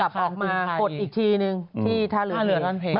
กดอีกทีนึงที่ทะเหลือท่านเพง